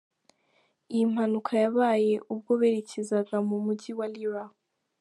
Iyi mpanuka yabaye ubwo berekezaga mu mugi wa Lira.